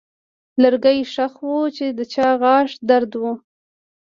لرګی ښخ و چې د چا غاښ درد و.